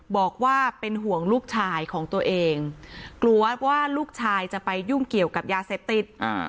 บอกว่าเป็นห่วงลูกชายของตัวเองกลัวว่าลูกชายจะไปยุ่งเกี่ยวกับยาเสพติด